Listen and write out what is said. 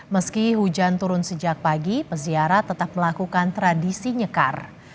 meski hujan turun sejak pagi peziarah tetap melakukan tradisi nyekar